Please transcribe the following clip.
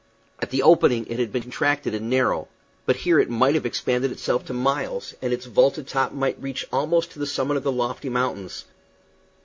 At the opening it had been contracted and narrow; but here it might have expanded itself to miles, and its vaulted top might reach almost to the summit of the lofty mountains.